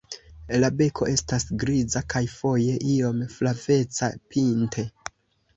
La beko estas griza kaj foje iom flaveca pinte.